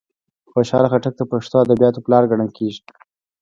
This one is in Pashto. خوشال خټک د پښتو ادبیاتوپلار کڼل کیږي.